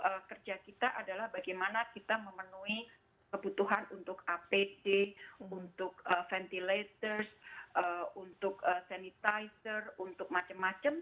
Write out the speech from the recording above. jadi kerja kita adalah bagaimana kita memenuhi kebutuhan untuk apt ventilator sanitizer dan macam macam